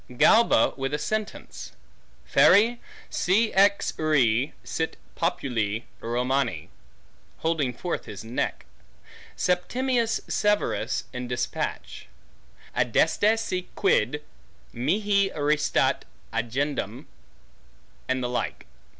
Galba with a sentence; Feri, si ex re sit populi Romani; holding forth his neck. Septimius Severus in despatch; Adeste si quid mihi restat agendum. And the like.